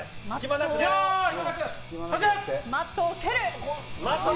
マットを蹴る。